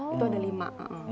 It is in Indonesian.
itu ada lima